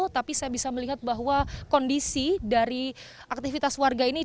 tapi saya bisa melihat bahwa kondisi dari aktivitas warga ini